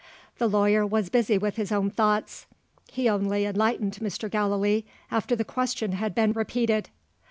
The lawyer was busy with his own thoughts. He only enlightened Mr. Gallilee after the question had been repeated.